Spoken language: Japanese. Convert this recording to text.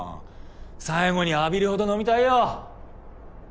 最後に浴びるほど飲みたいよ。